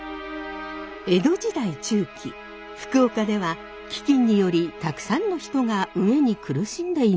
江戸時代中期福岡では飢きんによりたくさんの人が飢えに苦しんでいました。